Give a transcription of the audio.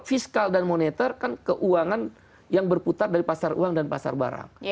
fiskal dan moneter kan keuangan yang berputar dari pasar uang dan pasar barang